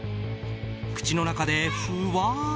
口の中でふわっ。